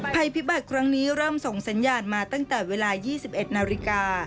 ภัยพิบัติครั้งนี้เริ่มส่งสัญญาณมาตั้งแต่เวลา๒๑นาฬิกา